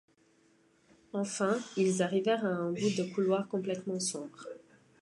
Enfin, ils arrivèrent à un bout de couloir complètement sombre.